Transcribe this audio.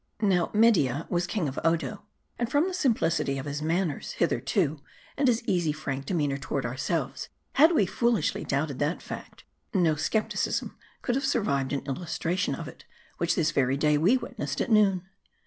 Now, Media was king of Odo. And from the simplicity of his manners hitherto, and his easy, frank demeEtnor toward ourselves, had we foolishly doubted that fact, no skepticism could have survived, an illustration of it, which this very day we witnessed at noon.